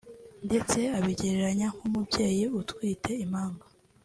ndetse abigereranya nk’umubyeyi utwite impanga